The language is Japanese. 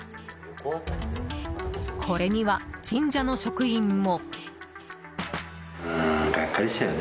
これには、神社の職員も。